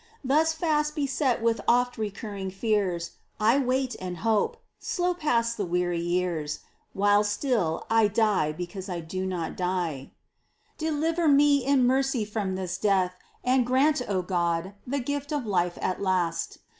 Thus fast beset with oft recurring fears I wait and hope : slow pass the weary years While still I die because I do not die. 9 10 MINOR WORKS OF ST. TERESA. Deliver me in mercy from this death And grant, O God, the gift of hfe at last.